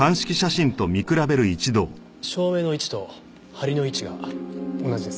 照明の位置と梁の位置が同じです。